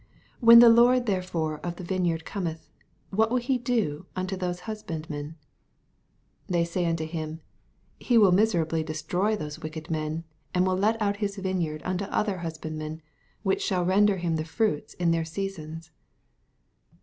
40 When the Lord therefore of the vineyard cometh, what will he do unto those husbandmen ? 41 They say unto him. He will miserably destroy those wicked men, and will let out his vineyard unto other husbandmeuj which shall ren der him the fruits in their seasons.